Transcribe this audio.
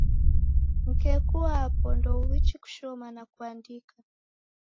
Mkeku wapo ndouichi kushoma na kuandika